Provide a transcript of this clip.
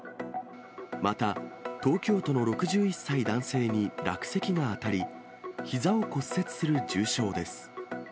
また、東京都の６１歳男性に落石が当たり、ひざを骨折する重傷です。